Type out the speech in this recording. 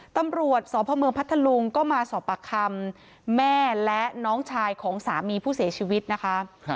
ตำรวจสพเมืองพัทธลุงก็มาสอบปากคำแม่และน้องชายของสามีผู้เสียชีวิตนะคะ